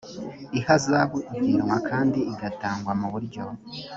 ihazabu igenwa kandi igatangwa mu buryo